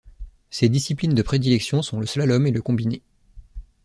Ses disciplines de prédilection sont le slalom et le combiné.